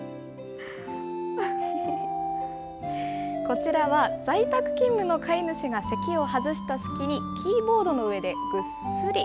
こちらは、在宅勤務の飼い主が席を外した隙に、キーボードの上でぐっすり。